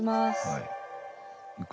はい。